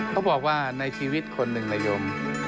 เขาบอกว่าในชีวิตคนหนึ่งนะโยม